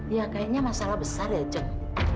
ya kayaknya masalah besar ya joh